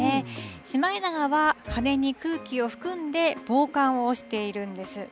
シマエナガは羽に空気を含んで、防寒をしているんです。